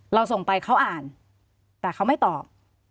เราส่งไปเขาอ่านแต่เขาไม่ตอบ